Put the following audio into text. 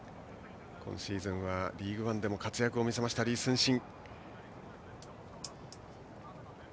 今シーズンはリーグワンでも活躍を見せました李承信。